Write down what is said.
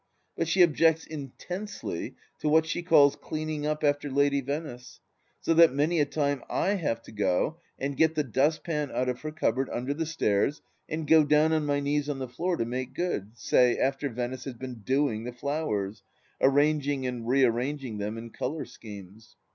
But she objects intensely to what she calls " cleaning up after Lady Venice," so that many a time I have to go and get the dustpan out of her cupboard under the stairs and go down on my knees on the floor to make good, say, after Venice has been "doing" the flowers, arranging and re arranging them in colour schemes